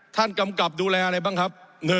กำกับดูแลอะไรบ้างครับ